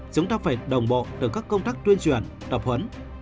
chúng ta phải đồng bộ từ các công tác tuyên truyền tập huấn